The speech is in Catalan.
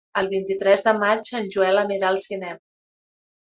El vint-i-tres de maig en Joel anirà al cinema.